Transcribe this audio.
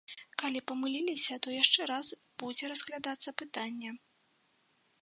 Калі памыліліся, то яшчэ раз будзе разглядацца пытанне.